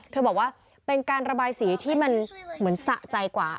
บอกว่าเป็นการระบายสีที่มันเหมือนสะใจกว่า